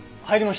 はい。